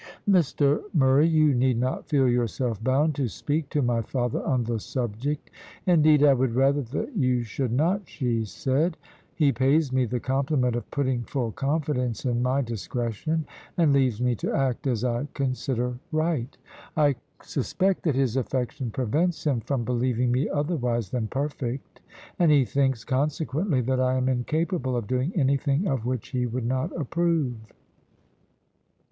"Mr Murray, you need not feel yourself bound to speak to my father on the subject, indeed I would rather you should not," she said. "He pays me the compliment of putting full confidence in my discretion, and leaves me to act as I consider right. I suspect that his affection prevents him from believing me otherwise than perfect, and he thinks, consequently, that I am incapable of doing anything of which he would not approve."